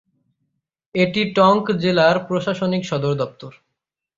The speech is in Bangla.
এটি টঙ্ক জেলার প্রশাসনিক সদরদপ্তর।